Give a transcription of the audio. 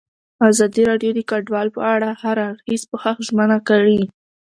ازادي راډیو د کډوال په اړه د هر اړخیز پوښښ ژمنه کړې.